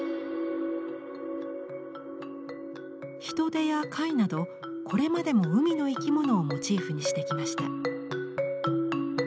ヒトデや貝などこれまでも海の生き物をモチーフにしてきました。